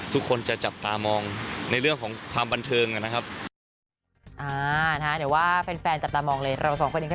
แต่วันนี้เขาน่ารักนะช่วยกันทำดีนะคะ